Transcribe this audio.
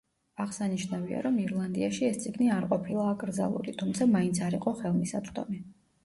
აღსანიშნავია რომ ირლანდიაში ეს წიგნი არ ყოფილა აკრძალული, თუმცა მაინც არ იყო ხელმისაწვდომი.